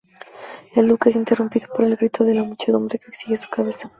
El duque es interrumpido por el grito de la muchedumbre que exige su cabeza.